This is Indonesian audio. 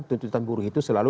tuntutan buruh itu selalu